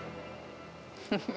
フフフ。